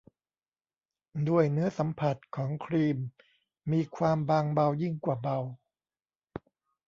ด้วยเนื้อสัมผัสของครีมมีความบางเบายิ่งกว่าเบา